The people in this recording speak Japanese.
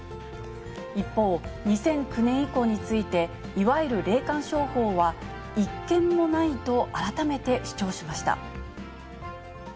一方、２００９年以降について、いわゆる霊感商法は、一件もないと改めて主張しました。